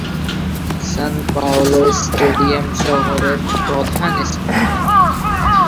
সান Paulo stadium শহরের প্রধান stadium.